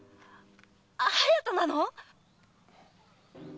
隼人なの？